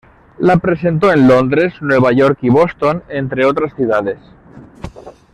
La presentó en Londres, Nueva York y Boston, entre otras ciudades.